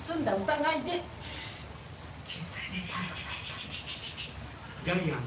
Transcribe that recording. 疑いで警察に逮捕されたんです。